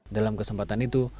dalam kesempatan itu